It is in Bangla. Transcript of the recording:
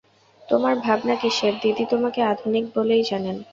তোমার ভাবনা কিসের, দিদি তোমাকে আধুনিক বলেই জানেন!